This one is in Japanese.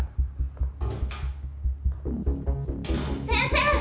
先生！